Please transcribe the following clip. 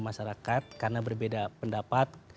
masyarakat karena berbeda pendapat